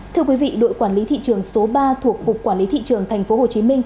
thưa quý vị đội quản lý thị trường số ba thuộc cục quản lý thị trường tp hcm